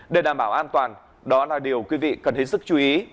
để đảm bảo an toàn đó là điều quý vị cần hết sức chú ý